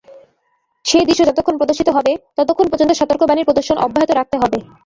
সেই দৃশ্য যতক্ষণ প্রদর্শিত হবে, ততক্ষণ পর্যন্ত সতর্কবাণী প্রদর্শন অব্যাহত রাখতে হবে।